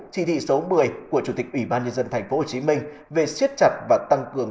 chỉ thị một mươi của chủ tịch ubnd tp hcm về siết chặt và tăng cường